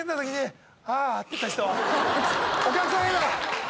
お客さん。